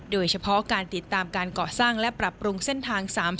โดยเฉพาะการติดตามการเกาะสร้างและปรับปรุงเส้นทาง๓๐